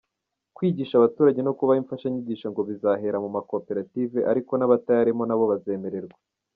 Kwigisha abaturage no kubaha imfashanyigisho ngo bizahera mu makoperative ariko n’abatayarimo nabo bazemererwa.